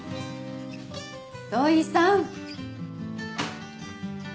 土居さん！